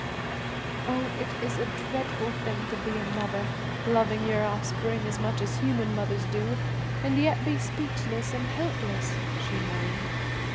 "Oh, it is a dreadful thing to be a mother, loving your offspring as much as human mothers do, and yet be speechless and helpless," she moaned.